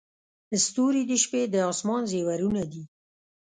• ستوري د شپې د اسمان زیورونه دي.